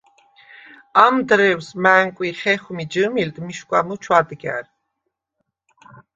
ამ დრუ̂ეუ̂ს მა̈ნკუ̂ი̄ ხეხუ̂მი ჯჷმილდ მიშგუ̂ა მუ ჩუ̂ადგა̈რ.